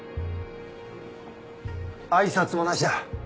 挨拶もなしだ。